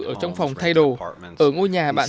ở trong phòng thay đồ ở ngôi nhà bạn